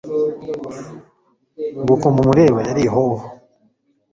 ngo uku mumureba yari ihoho